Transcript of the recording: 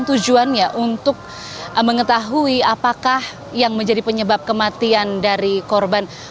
tujuannya untuk mengetahui apakah yang menjadi penyebab kematian dari korban